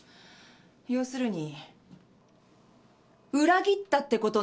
要するに裏切ったってことねわたしを。